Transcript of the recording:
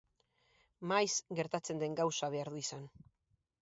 Maiz gertatzen den gauza behar du izan.